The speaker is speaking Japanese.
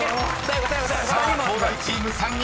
［さあ東大チーム３人